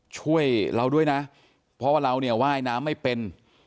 ช่วยเราด้วยนะเพราะว่าเราเนี่ยว่ายน้ำไม่เป็น